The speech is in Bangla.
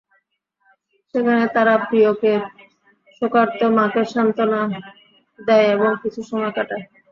সেখানে তারা প্রিয়কের শোকার্ত মাকে সান্ত্বনা দেয় এবং কিছু সময় কাটায়।